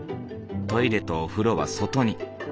トイレとお風呂は外に。